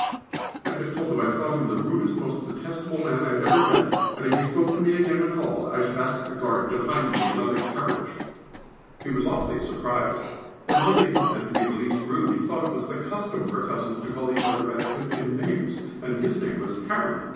I just told him I thought him the rudest, most detestable man I had ever met; and if he spoke to me again at all, I should ask the guard to find me another carriage. [Sidenote: Lord Valmond Presumes] He was awfully surprised, and said he had not meant to be the least rude; he thought it was the custom for cousins to call each other by their Christian names, and his name was Harry.